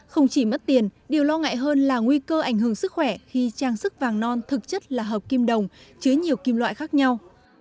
không chỉ mất tiền điều lo ngại hơn là nguy cơ ảnh hưởng sức khỏe khi trang sức vàng non thực chất là hợp kim đồng chứa nhiều kim loại khác nhau